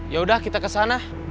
yaudah kita kesana